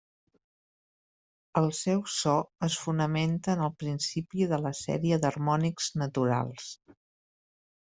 El seu so es fonamenta en el principi de la sèrie d'harmònics naturals.